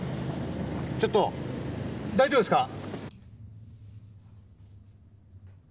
ちょっと大丈夫ですか？